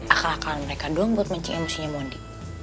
akal akalan mereka doang buat benci emosinya mondi